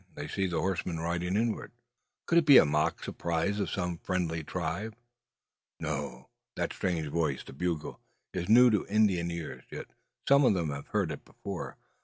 They see the horsemen ride inward. Could it be a mock surprise of some friendly tribe? No. That strange voice, the bugle, is new to Indian ears; yet some of them have heard it before.